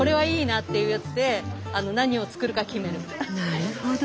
なるほど。